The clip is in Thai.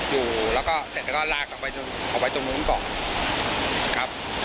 อยู่แล้วก็เสร็จแล้วก็ลากกลับไปออกไปตรงนู้นก่อนครับ